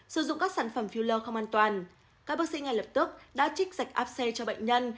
sử dụng các sản phẩm filler không an toàn các bác sĩ ngay lập tức đã trích dạch áp c cho bệnh nhân